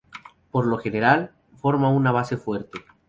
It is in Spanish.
Por lo general, forma una base fuerte.